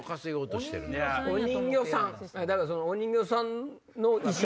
だからお人形さんの衣装？